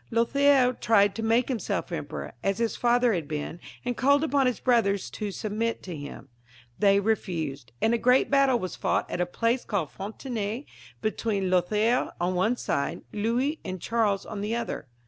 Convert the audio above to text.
Lothaire tried to make himself emperor as his father had 46 DESCENDANTS OF CHARLEMAGNE, [CH. r ...■■/ been, and called upon his brothers to submit to him. They refused, and a great battle was fought at a place called Fqntanet between Lothaire on one side^ Louis and Charles on the other.